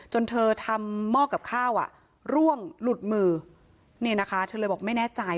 เธอทำหม้อกับข้าวอ่ะร่วงหลุดมือเนี่ยนะคะเธอเลยบอกไม่แน่ใจ